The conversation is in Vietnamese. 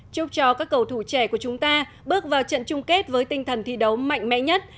chúc cho các cầu thủ trẻ của chúng ta bước vào trận chung kết với tinh thần thi đấu mạnh mẽ nhất